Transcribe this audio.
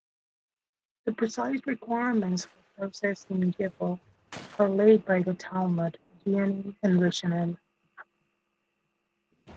The precise requirements for processing "gevil" are laid by the Talmud, Geonim and Rishonim.